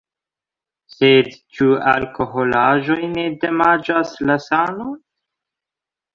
Sed ĉu alkoholaĵoj ne damaĝas la sanon?